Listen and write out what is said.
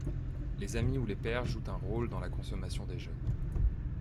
Les amis ou les pairs jouent un rôle dans la consommation des jeunes.